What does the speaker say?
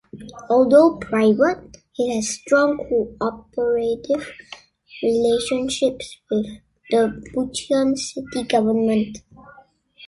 Although private, it has strong cooperative relationships with the Bucheon city government.